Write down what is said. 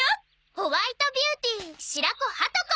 ホワイトビューティー白子鳩子。